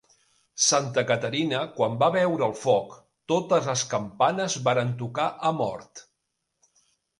Santa Caterina quan va veure el foc, totes les campanes varen tocar a mort.